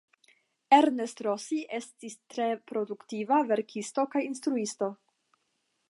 Ernest Rossi estis tre produktiva verkisto kaj instruisto.